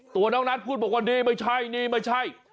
ตัวน้องนัทพูดบอกว่านี่ไม่ใช่นี่ไม่ใช่